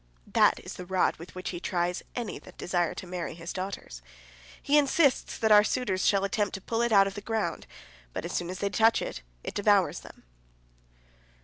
That is the rod with which he tries any that desire to marry his daughters. He insists that our suitors shall attempt to pull it out of the ground, but as soon as they touch it, it devours them."